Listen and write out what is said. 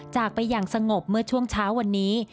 จากไปอย่างสงบเมื่อช่วงเช้าวันนี้